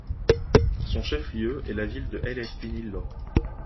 Son chef-lieu est la ville de El Espinillo.